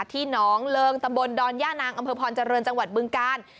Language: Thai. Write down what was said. ที่หนองเริงตำบลดอนย่านางอำเภอพรเจริญจังหวัดบึงกาล